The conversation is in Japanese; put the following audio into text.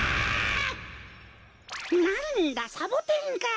なんだサボテンか。